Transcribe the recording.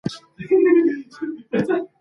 پښتو په مینه او اخلاص سره زده کړه.